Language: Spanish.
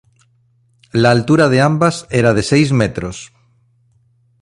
La altura de ambas era de seis metros.